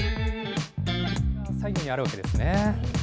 左右にあるわけですね。